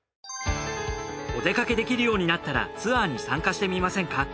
お出かけできるようになったらツアーに参加してみませんか？